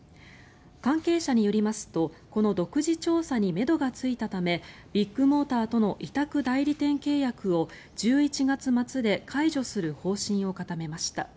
関係者によりますとこの独自調査にめどがついたためビッグモーターとの委託代理店契約を１１月末で解除する方針を固めました。